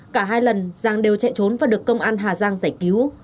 cả hai lần giang đều chạy trốn và được công an hà giang giải cứu